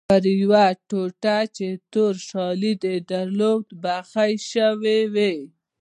پر یوې ټوټه چې تور شالید یې درلود بخۍ شوې وې.